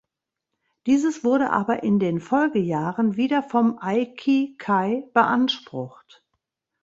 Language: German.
Dieses wurde aber in den Folgejahren wieder vom Aikikai beansprucht.